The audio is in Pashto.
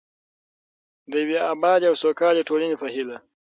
د یوې ابادې او سوکاله ټولنې په هیله.